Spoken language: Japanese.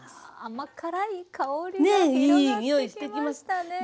甘辛い香りが広がってきましたね。